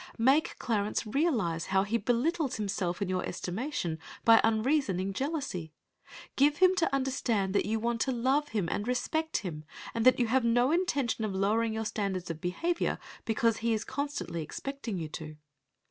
Make Clarence realize how he belittles himself in your estimation by unreasoning jealousy. Give him to understand that you want to love him and respect him, and that you have no intention of lowering your standard of behaviour, because he is constantly expecting you to.